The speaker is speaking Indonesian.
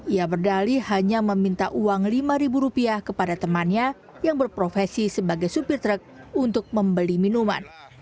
ia berdali hanya meminta uang lima rupiah kepada temannya yang berprofesi sebagai supir truk untuk membeli minuman